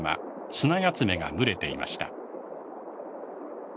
スナヤツメが群れていました。